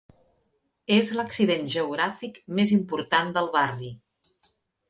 És l'accident geogràfic més important del barri.